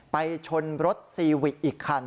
ไปชนรถซีวิกอีกคัน